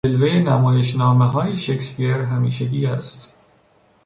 جلوه نمایشنامههای شکسپیر همیشگی است.